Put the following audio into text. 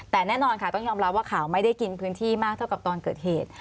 แต่แน่นอนค่ะต้องยอมรับว่าข่าวไม่ได้กินพื้นที่มากเท่ากับตอนเกิดเหตุ